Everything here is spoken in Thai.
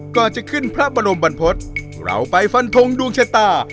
ก่อนจะขึ้นพระบรมบรรพฤษเราไปฟันทงดวงชะตา